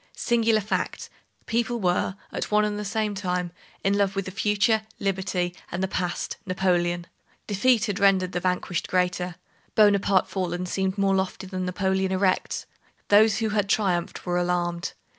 Singular fact! people were, at one and the same time, in love with the future, Liberty, and the past, Napoleon. Defeat had rendered the vanquished greater. Bonaparte fallen seemed more lofty than Napoleon erect. Those who had triumphed were alarmed.